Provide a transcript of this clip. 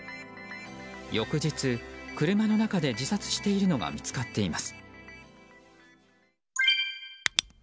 翌日、車の中で自殺しているのが見つかっています。